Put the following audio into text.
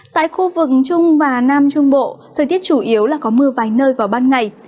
tại khu vực trung và nam trung bộ thời tiết chủ yếu là có mưa vài nơi vào ban ngày